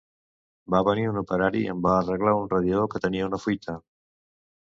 Va venir un operari i em va arreglar un radiador que tenia una fuita